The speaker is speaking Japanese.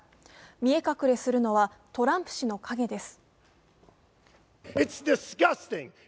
見え隠れするのはトランプ氏の影です。